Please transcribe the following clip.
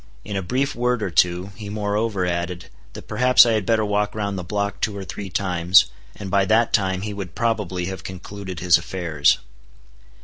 In a brief word or two, he moreover added, that perhaps I had better walk round the block two or three times, and by that time he would probably have concluded his affairs.